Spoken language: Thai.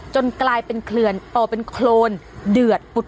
จนกลายเป็นเคลือนเออเป็นโคลนเดือดปุด